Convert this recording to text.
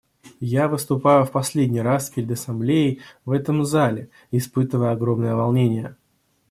Я выступаю в последний раз перед Ассамблеей в этом зале, испытывая огромное волнение.